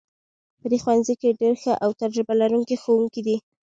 په دې ښوونځي کې ډیر ښه او تجربه لرونکي ښوونکي دي